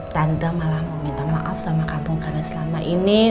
tanda malah mau minta maaf sama kampung karena selama ini